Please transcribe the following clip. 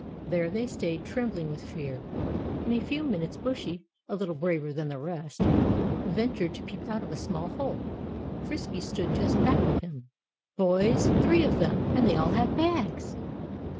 There they stayed trembling with fear. In a few minutes Bushy, a little braver than the rest, ventured to peep out of a small hole. Frisky stood just back of him. "Boys three of them and they all have bags!"